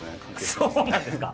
そうなんですか！